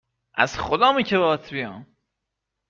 از خدامه که باهات بیام